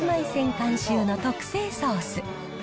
監修の特製ソース。